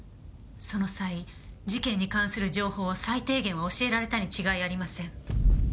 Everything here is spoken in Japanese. その際事件に関する情報を最低限は教えられたに違いありません。